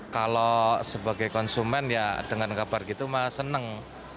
kalau sebagai konsumen ya dengan kabar gitu mah seneng